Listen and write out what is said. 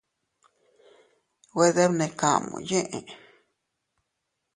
Güe debnekamu yee.